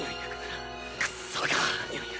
クソがッ！